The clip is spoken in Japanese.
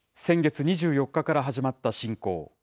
先月２４日から始まった侵攻。